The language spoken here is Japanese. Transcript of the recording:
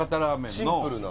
シンプルな？